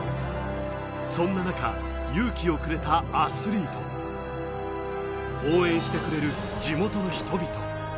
そんな中、勇気をくれたアスリート、応援してくれる地元の人々。